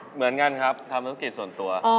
เหมือนกันครับทำธุรกิจส่วนตัว